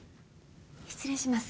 失礼します。